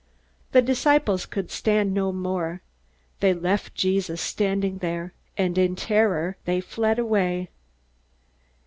The disciples could stand no more. They left Jesus standing there, and in terror they fled away.